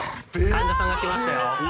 患者さんが来ましたよ。